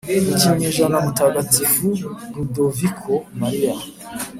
mu kinyejana mutagatifu ludoviko mariya